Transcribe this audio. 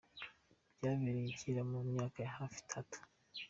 Byahereye kera mu myaka hafi itatu.